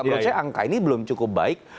menurut saya angka ini belum cukup baik